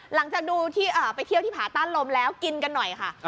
หลังจากไปเที่ยวที่ผาต้านลมแล้วกินกันหน่อยค่ะ